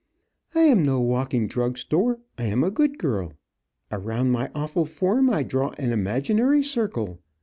"I am no walking drug store, I am a good girl." Around my awful form I draw an imaginary circle.